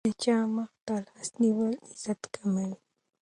د چا مخې ته لاس نیول عزت کموي.